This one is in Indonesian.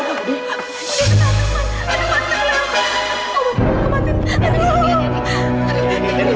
aduh kaki mu dia man